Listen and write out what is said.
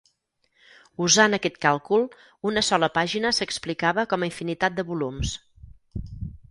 Usant aquest càlcul, una sola pàgina s'explicava com a infinitat de volums.